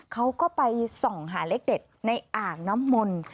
เขาก็ไปส่องหาเลขเด็ดในอ่างน้ำมนต์